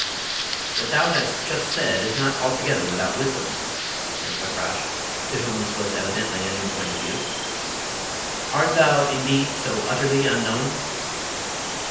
"What thou hast just said is not altogether without wisdom," said Fakrash, to whom this was evidently a new point of view. "Art thou, indeed, so utterly unknown?"